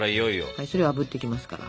はいそれあぶっていきますから。